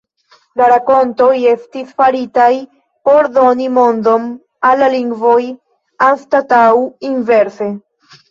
La 'rakontoj' estis faritaj por doni mondon al la lingvoj anstataŭ inverse.